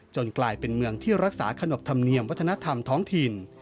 กลายเป็นเมืองที่รักษาขนบธรรมเนียมวัฒนธรรมท้องถิ่น